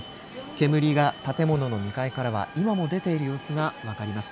煙が建物の２階からは今も出ている様子が分かります。